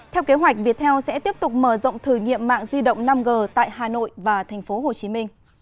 theo kế hoạch viettel sẽ tiếp tục mở rộng thử nghiệm mạng di động năm g tại hà nội và tp hcm